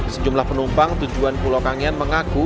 sejumlah penumpang tujuan pulau kangean mengaku